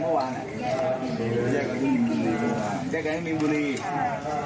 เมื่อวานแบงค์อยู่ไหนเมื่อวาน